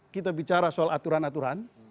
kita bicara soal aturan aturan